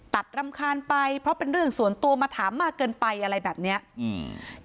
รำคาญไปเพราะเป็นเรื่องส่วนตัวมาถามมากเกินไปอะไรแบบเนี้ยอืม